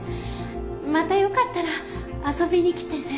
またよかったらあそびに来てね。